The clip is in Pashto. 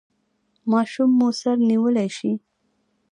ماشوم مو سر نیولی شي؟